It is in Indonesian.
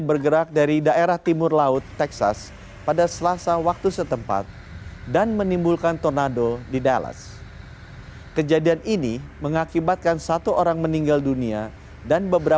pemacat di tanah tersebut kemudian dicabut dan menutup benda diduga mortir tersebut menggunakan ban bekas